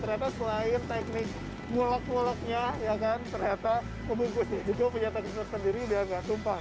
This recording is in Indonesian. ternyata selain teknik mengulek muleknya ya kan ternyata umpuh kucing itu punya tekstur sendiri dan tidak umpah